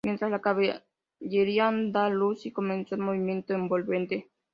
Mientras, la caballería andalusí comenzó el movimiento envolvente.